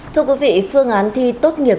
thưa quý vị phương án thi tốt nghiệp